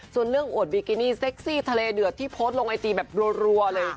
ส่วนเรื่องอวดบิกินี่เซ็กซี่ทะเลเดือดที่โพสต์ลงไอจีแบบรัวเลย